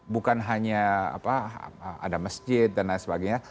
bukan hanya ada masjid dan lain sebagainya